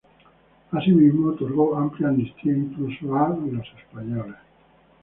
Asimismo, otorgó amplia amnistía, incluso a españoles.